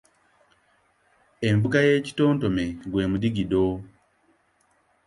Envuga y’ekitontome gwe mudigido.